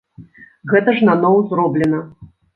Гэта ж наноў зроблена.